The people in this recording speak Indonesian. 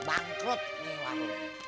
bangkrut nih warung